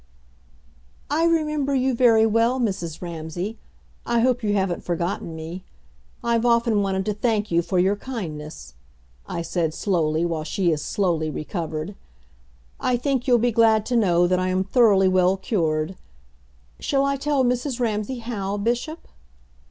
"I remember you very well, Mrs. Ramsay. I hope you haven't forgotten me. I've often wanted to thank you for your kindness," I said slowly, while she as slowly recovered. "I think you'll be glad to know that I am thoroughly well cured. Shall I tell Mrs. Ramsay how, Bishop?"